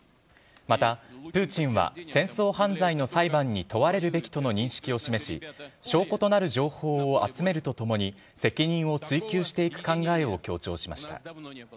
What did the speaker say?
またプーチンは戦争犯罪の裁判に問われるべきとの認識を示し、証拠となる情報を集めるとともに、責任を追及していく考えを強調しました。